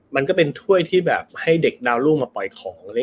มันก็เป็นถ้วยที่แบบให้เด็กดาวลูกมาปล่อยของ